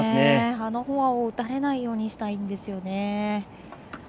あのフォアを打たれないようにしたいんですね。